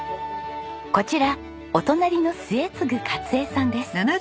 こちらお隣の末次かつ江さんです。